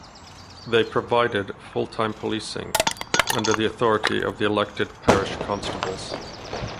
They provided full-time policing, under the authority of the elected parish constables.